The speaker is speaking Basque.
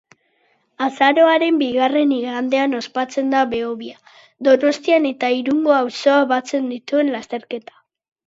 Azaroaren bigarren igandean ospatzen da Behobia, Donostia eta Irungo auzoa batzen dituen lasterketa.